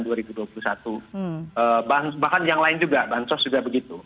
bahkan yang lain juga bansos juga begitu